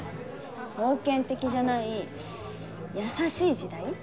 ホーケン的じゃない優しい時代。